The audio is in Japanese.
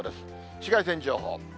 紫外線情報。